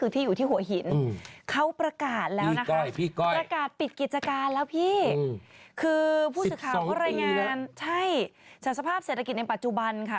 ๒ปีแล้วใช่แต่สภาพเศรษฐกิจในปัจจุบันค่ะ